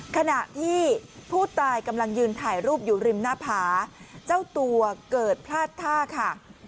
ขณะที่ผู้ตายกำลังยืนถ่ายรูปอยู่ริมหน้าผาเจ้าตัวเกิดพลาดท่าค่ะ